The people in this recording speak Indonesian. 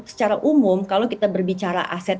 secara umum kalau kita berbicara aset